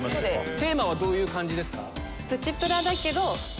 テーマはどういう感じですか？